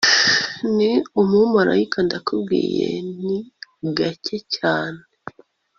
ni umumarayika ndakubwiye, ni gake cyane